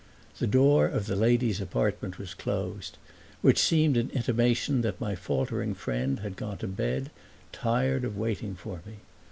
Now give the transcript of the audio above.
The door of the ladies' apartment was closed; which seemed an intimation that my faltering friend had gone to bed, tired of waiting for me.